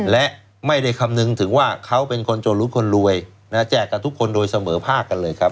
และไม่ได้คำนึงถึงว่าเขาเป็นคนจนรู้คนรวยแจกกับทุกคนโดยเสมอภาคกันเลยครับ